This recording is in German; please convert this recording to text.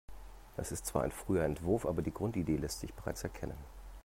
Das ist zwar ein früher Entwurf, aber die Grundidee lässt sich bereits erkennen.